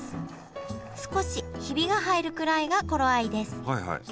少しヒビが入るくらいが頃合いです。